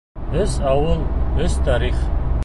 Өс ауыл — өс тарих.